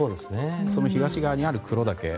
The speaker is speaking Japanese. その東側にある黒岳。